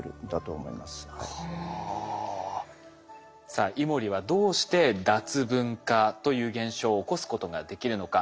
さあイモリはどうして脱分化という現象を起こすことができるのか。